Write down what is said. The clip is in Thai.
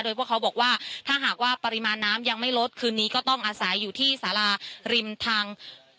โดยพวกเขาบอกว่าถ้าหากว่าปริมาณน้ำยังไม่ลดคืนนี้ก็ต้องอาศัยอยู่ที่สาราริมทาง